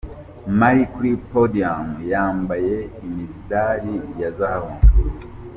Mali kuri "Podium" yambaye imidali ya Zahabu .